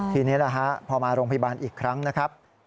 ทีนี้พอมาโรงพยาบาลอีกครั้งนะครับ